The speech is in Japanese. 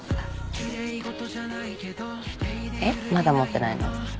えっまだ持ってないの？